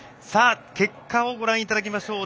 結果をご覧いただきましょう。